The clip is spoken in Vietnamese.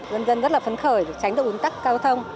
dân dân rất là phấn khởi để tránh được ứng tắc cao thông